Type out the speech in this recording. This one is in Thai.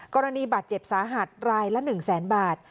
กรณีบาดเจ็บสาหัสรายละ๑แสนบาท